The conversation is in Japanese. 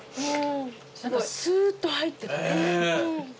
何かスーッと入ってくる。